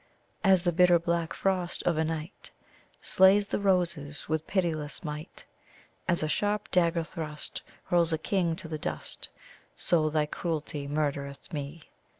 "As the bitter black frost of a night Slays the roses with pitiless might, As a sharp dagger thrust hurls a king to the dust, So thy cruelty murdereth me.